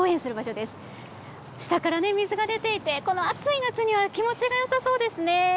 下からね水が出ていてこの暑い夏には気持ちが良さそうですね。